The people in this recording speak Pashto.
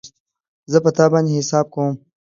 زه په تا باندی حساب کوم